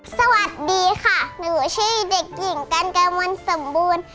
สวัสดีค่ะหนูชื่อเด็กหญิงกันกมลสมบูรณ์